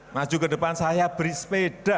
maju ke depan saya beri sepeda